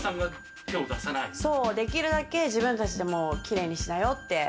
できるだけ自分たちでキレイにしなよって。